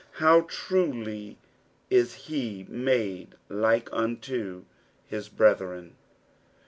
Raw trul; ia he " made like unto his brethren."